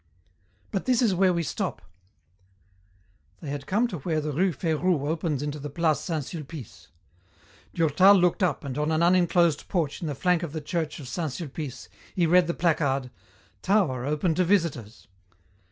"But this is where we stop." They had come to where the rue Férou opens into the place Saint Sulpice. Durtal looked up and on an unenclosed porch in the flank of the church of Saint Sulpice he read the placard, "Tower open to visitors."